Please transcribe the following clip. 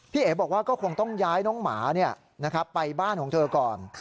เอ๋บอกว่าก็คงต้องย้ายน้องหมาไปบ้านของเธอก่อน